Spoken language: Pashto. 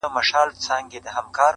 دعوه د سړيتوب دي لا مشروطه بولمیاره ,